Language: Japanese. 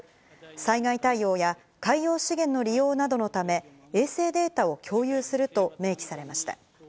災害対応や海洋資源の利用などのため、衛星データを共有すると明記されました。